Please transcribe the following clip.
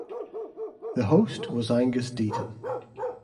The host was Angus Deayton.